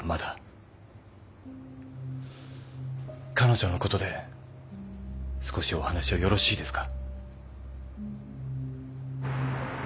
彼女のことで少しお話をよろしいですか？